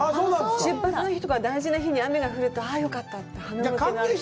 出発の日とか大事な日に雨が降ると、ああよかったって。